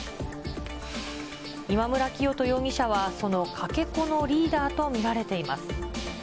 今村磨人容疑者はそのかけ子のリーダーと見られています。